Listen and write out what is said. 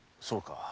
そうか。